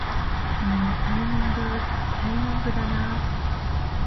えータイミングー、タイミングだなー